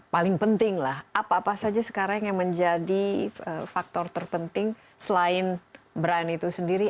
paling penting lah apa apa saja sekarang yang menjadi faktor terpenting selain brand itu sendiri